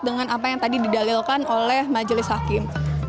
dengan apa yang tadi didalilkan oleh majelis hakim